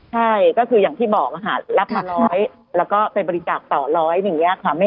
ใช่ก็คืออย่างที่บอกค่ะรับมาร้อยแล้วก็ไปบริจาคต่อร้อยอย่างนี้ค่ะ